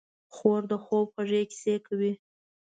خور د خوب خوږې کیسې کوي.